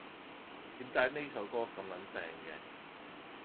點解呢首歌咁撚正嘅？